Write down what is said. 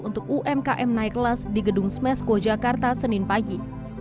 untuk umkm naik kelas di gedung smesko jakarta senin pagi